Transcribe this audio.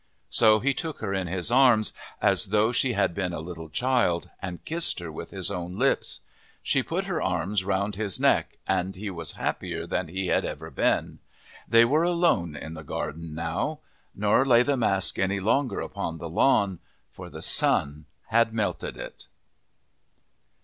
So he took her in his arms, as though she had been a little child, and kissed her with his own lips. She put her arms round his neck, and he was happier than he had ever been. They were alone in the garden now. Nor lay the mask any longer upon the lawn, for the sun had melted it.